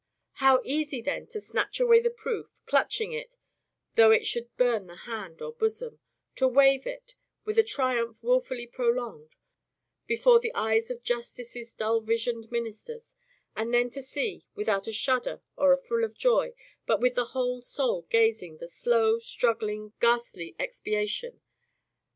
How easy then to snatch away the proof, clutching it, though it should burn the hand or bosom, to wave it, with a triumph wilfully prolonged, before the eyes of justice's dull visioned ministers; and then to see, without a shudder or a thrill of joy, but with the whole soul gazing, the slow, struggling, ghastly expiation.